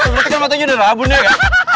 berarti kan matanya udah rabun ya